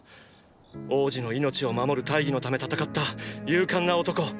“王子の命を守る大義のため戦った勇敢な男”。